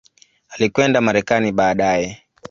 Alikwenda Marekani baadaye.